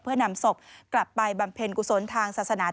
เพื่อนำศพกลับไปบำเพ็ญกุศลทางศาสนา